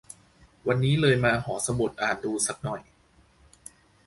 วันนี้เลยมาหอสมุดอ่านดูสักหน่อย